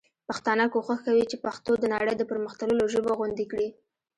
پښتانه کوښښ کوي چي پښتو د نړۍ د پر مختللو ژبو غوندي کړي.